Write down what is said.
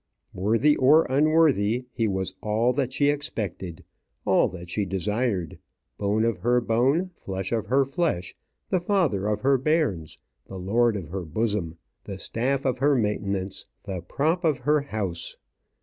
Worthy or unworthy, he was all that she expected, all that she desired, bone of her bone, flesh of her flesh, the father of her bairns, the lord of her bosom, the staff of her maintenance, the prop of her house.